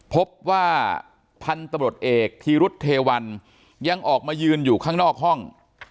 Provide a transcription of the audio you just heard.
พบว่าพันธุ์ตำรวจเอกธีรุษเทวันยังออกมายืนอยู่ข้างนอกห้อง